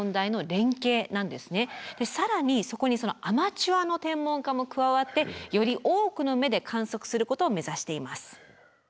更にそこにアマチュアの天文家も加わってより多くの目で観測することを目指しています。